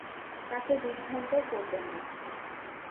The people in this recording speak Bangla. তাকে বিভ্রান্ত করবেন না।